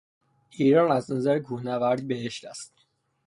ایران از نظر کوه نوردی بهشت است.